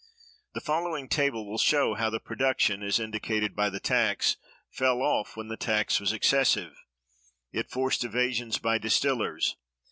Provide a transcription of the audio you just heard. The following table will show how the production, as indicated by the tax, fell off when the tax was excessive. It forced evasions by distillers.